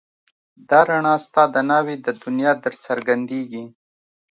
دا رڼا ستا د ناوې د دنيا درڅرګنديږي